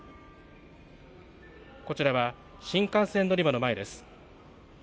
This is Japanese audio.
こちらは新幹線乗り場の前です。